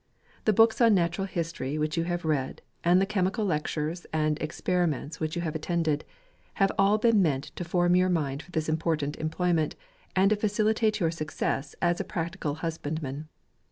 The books on natural history which you have read, and the chemical lectures and experiments which you have attended, have all been meant to form your mind for this important employ ment, and to facilitate your success as a prac tical husbandman.